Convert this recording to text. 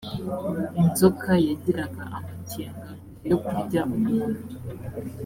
inzoka yagiraga amakenga mbere yokurya umuntu